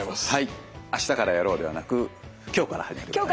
明日からやろうではなく今日から始めてくださいね。